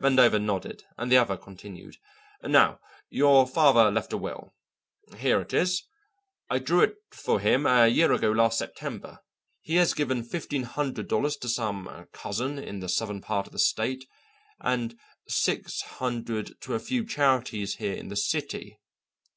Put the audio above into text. Vandover nodded and the other continued: "Now, your father left a will; here it is. I drew it for him a year ago last September. He has given fifteen hundred dollars to some cousin in the southern part of the state, and six hundred to a few charities here in the city.